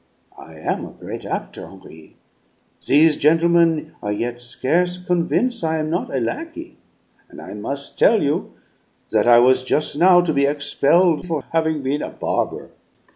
"I am a great actor, Henri. These gentlemen are yet scarce convince' I am not a lackey! And I mus' tell you that I was jus' now to be expelled for having been a barber!"